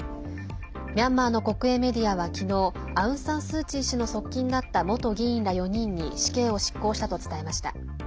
ミャンマーの国営メディアはきのうアウン・サン・スー・チー氏の側近だった元議員ら４人に死刑を執行したと伝えました。